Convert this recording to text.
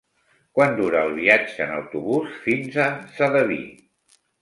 Quant dura el viatge en autobús fins a Sedaví?